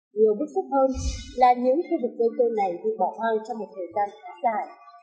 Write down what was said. điều bức xúc hơn là những khu vực dây cơ này bị bỏ hoang trong một thời gian khá dài